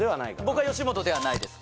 僕は吉本ではないです